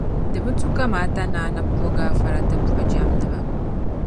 Di bi tu kamaata ni Annabi bo gaafara n-ti buɣujɛmdiba.